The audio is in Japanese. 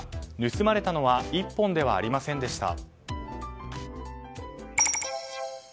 盗まれたのは１本ではありませんでした。